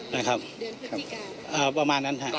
นะครับพร้อมมานั้นฮะ